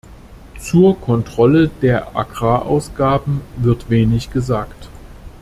Zur Kontrolle der Agrarausgaben wird wenig gesagt.